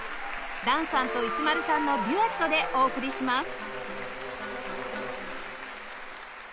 檀さんと石丸さんのデュエットでお送りします